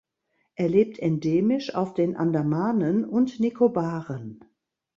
Er lebt endemisch auf den Andamanen und Nikobaren.